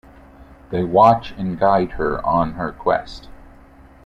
They watch and guide her on her quest.